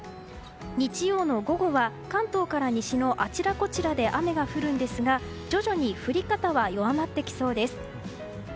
日曜の午後は関東から西のあちらこちらで雨が降るんですが徐々に降り方は弱まってきそうです。